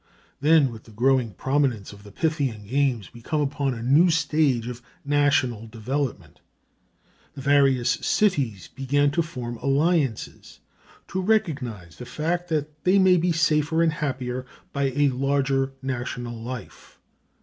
Then, with the growing prominence of the Pythian games we come upon a new stage of national development. The various cities begin to form alliances, to recognize the fact that they may be made safer and happier by a larger national life.